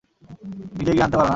নিজে গিয়ে আনতে পারো না?